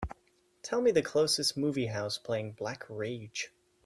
Tell me the closest movie house playing Black Rage